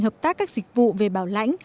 hợp tác các dịch vụ về bảo lãnh